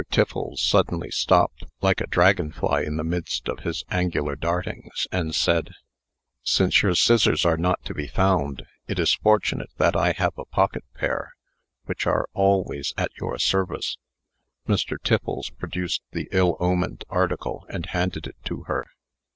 Tiffles suddenly stopped, like a dragonfly in the midst of his angular dartings, and said: "Since your scissors are not to be found, it is fortunate that I have a pocket pair, which are always at your service." Mr. Tiffles produced the ill omened article, and handed it to her.